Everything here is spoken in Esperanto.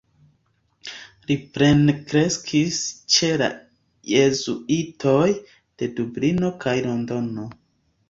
Li plenkreskis ĉe la jezuitoj de Dublino kaj Londono.